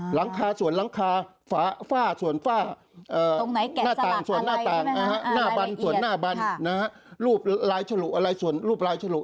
หลังคาส่วนหลังคาฝ้าส่วนฝ้าหน้าต่างส่วนหน้าต่างหน้าบันส่วนหน้าบันรูปลายฉลุอะไรส่วนรูปลายฉลุ